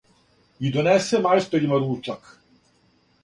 И донесе мајсторима ручак,